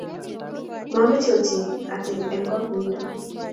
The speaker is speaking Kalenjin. Mamechei ochei atebi eng koot nindo